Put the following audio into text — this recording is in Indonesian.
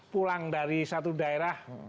pulang dari satu daerah